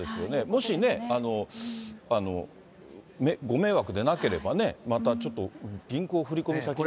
もしね、ご迷惑でなければね、またちょっと銀行振り込み先など。